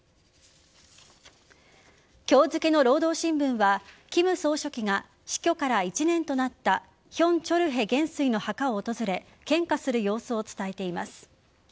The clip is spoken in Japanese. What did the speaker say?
今日付の労働新聞は金総書記が死去から１年となったヒョン・チョルヘ元帥の墓を訪れ献花する様子を伝えています。